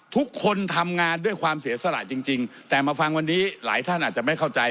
ทุกคนทำงานด้วยความเสียสละจริงแต่มาฟังวันนี้หลายท่านอาจจะไม่เข้าใจ